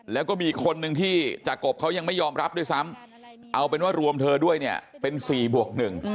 แล้วก็มีคนหนึ่งที่จากกบเขายังไม่ยอมรับด้วยซ้ำเอาเป็นว่ารวมเธอด้วยเนี่ยเป็น๔บวก๑